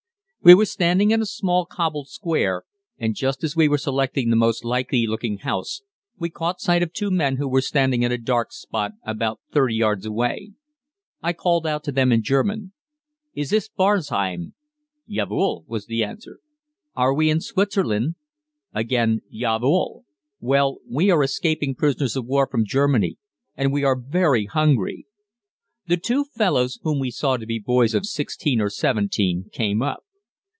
We were standing in a small cobbled square, and just as we were selecting the most likely looking house we caught sight of two men who were standing in a dark spot about 30 yards away. I called out to them in German, "Is this Barzheim?" "Jawohl" was the answer. "Are we in Switzerland?" Again, "Jawohl." "Well, we are escaping prisoners of war from Germany and we are very hungry." The two fellows, whom we saw to be boys of sixteen or seventeen, came up.